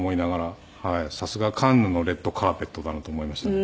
さすがカンヌのレッドカーペットだなと思いましたね。